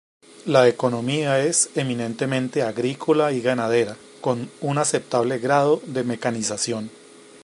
La economía es eminentemente agrícola y ganadera, con un aceptable grado de mecanización.